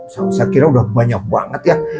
saya kira udah banyak banget ya